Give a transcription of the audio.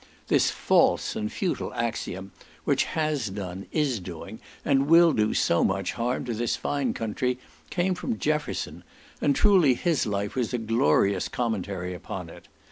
This false and futile axiom, which has done, is doing, and will do so much harm to this fine country, came from Jefferson; and truly his life was a glorious commentary upon it.